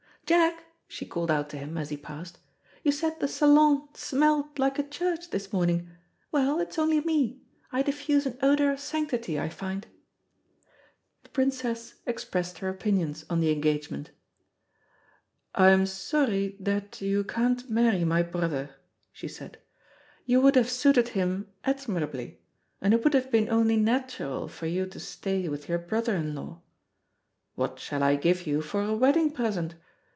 "Jack," she called out to him as he passed, "you said the salon smelled like a church this morning. Well, it's only me. I diffuse an odour of sanctity, I find." The Princess expressed her opinions on the engagement. "I'm sorry that you can't marry my brother," she said. "You would have suited him admirably, and it would have been only natural for you to stay with your brother in law. What shall I give you for a wedding present?